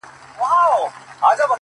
روغ زړه درواخله خدایه بیا یې کباب راکه،